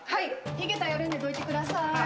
井桁やるんでどいてください。